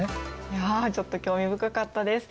いやちょっと興味深かったです。